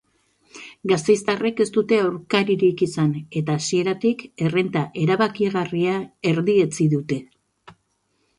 Gasteiztarrek ez dute aurkaririk izan eta hasieratik errenta erabakigarria erdietsi dute.